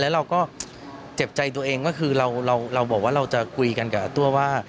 แล้วเราก็เจ็บใจตัวเองก็คือเราบอกว่าเราจะคุยกันกับตัวว่า